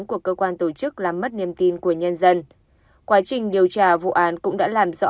của cơ quan tổ chức làm mất niềm tin của nhân dân quá trình điều tra vụ án cũng đã làm rõ